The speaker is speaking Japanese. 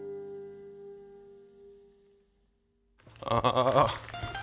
ああ。